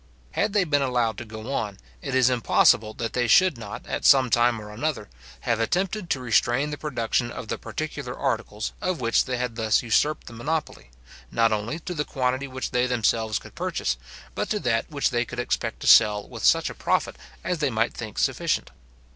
Had they been allowed to go on, it is impossible that they should not, at some time or another, have attempted to restrain the production of the particular articles of which they had thus usurped the monopoly, not only to the quantity which they themselves could purchase, but to that which they could expect to sell with such a profit as they might think sufficient.